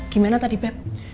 gimana tadi beb